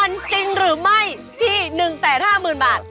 มันจริงหรือไม่ที่๑๕๐๐๐บาท